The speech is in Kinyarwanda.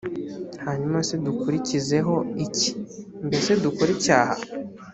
hanyuma se dukurikizeho iki mbese dukore icyaha